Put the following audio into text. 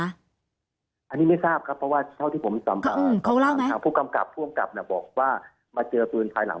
อันนี้ไม่ทราบครับเพราะว่าเท่าที่ผมจำฟังผู้กำกับผู้กำกับบอกว่ามาเจอปืนภายหลัง